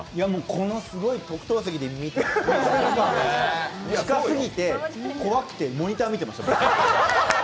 このすごい特等席で見られて、近すぎて、怖くて、モニター見てました。